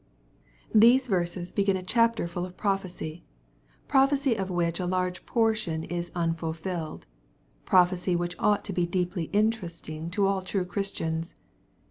These verses begin a chapter full of prophecy ^prophecy 81S EXP08IT0BT THOuanis. of which a large portion is unfulfilled — prophecy which cught to be deeply interesting to all true ChristiaDS.